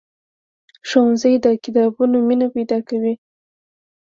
ښوونځی د کتابونو مینه پیدا کوي.